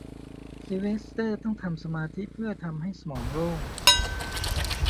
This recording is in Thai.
ซิลเวสเตอร์ต้องทำสมาธิเพื่อทำให้สมองโล่ง